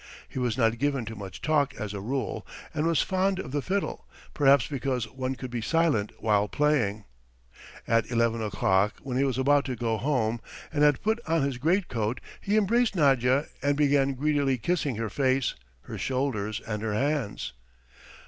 He was not given to much talk as a rule, and was fond of the fiddle, perhaps because one could be silent while playing. At eleven o'clock when he was about to go home and had put on his greatcoat, he embraced Nadya and began greedily kissing her face, her shoulders, and her hands.